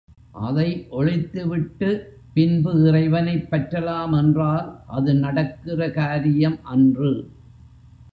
அதை ஒழித்து விட்டு பின்பு இறைவனைப் பற்றலாம் என்றால் அது நடக்கிற காரியம் அன்று.